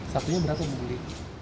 satunya berapa membeli